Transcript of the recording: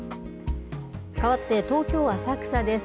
かわって東京・浅草です。